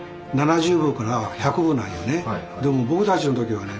でも僕たちの時はね